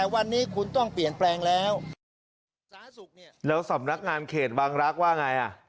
วันนี้คุณต้องเปลี่ยนแปลงแล้วแล้วสำนักงานเขตบางรักษ์ว่าไง